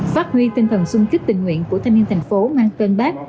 phát huy tinh thần sung kích tình nguyện của thanh niên thành phố mang tên bác